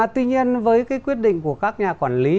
tuy nhiên với cái quyết định của các nhà quản lý